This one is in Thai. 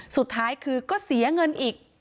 สุดท้ายคือก็เสียเงินอีก